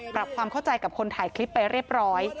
ปรับความเข้าใจกับคนถ่ายคลิปไปเรียบร้อย